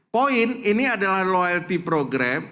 poin ini adalah loyalty program